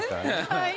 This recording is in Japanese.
はい。